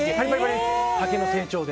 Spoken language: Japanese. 竹の成長で。